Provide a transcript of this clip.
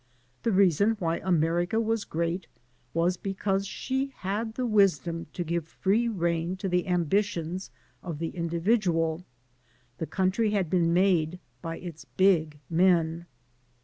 The reason why America was great was because she had the wisdom to give free rein to the ambitions of the individual. The coimtry had been made by its big men.